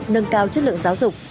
nâng cao chất lượng giáo dục